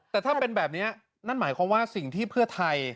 แต่ถ้าเป็นแบบนี้นั่นหมายความว่าสิ่งที่เพื่อไทย